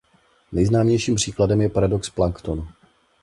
Nejznámějším příkladem je paradox planktonu.